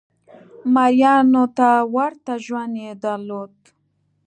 مریانو ته ورته ژوند یې درلود.